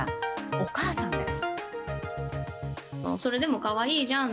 お母さんです。